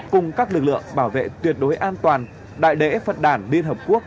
cùng các lực lượng bảo vệ tuyệt đối an toàn đại đế phận đảng điên hợp quốc